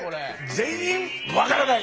全員分からない！